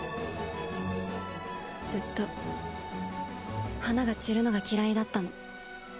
ずっと花が散るのが嫌いだったの。